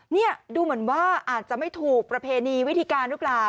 นี่ดูเหมือนว่าอาจจะไม่ถูกประเพณีวิธีการหรือเปล่า